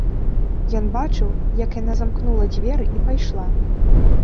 Ён бачыў, як яна замкнула дзверы і пайшла.